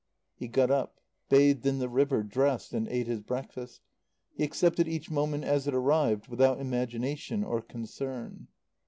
He got up, bathed in the river, dressed, and ate his breakfast. He accepted each moment as it arrived, without imagination or concern.